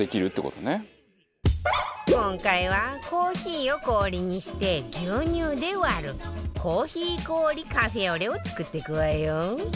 今回はコーヒーを氷にして牛乳で割るコーヒー氷カフェオレを作っていくわよ